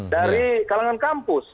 dari kalangan kampus